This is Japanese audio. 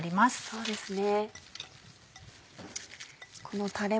そうですね。